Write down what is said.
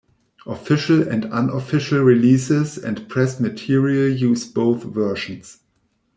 Official and unofficial releases and press material use both versions.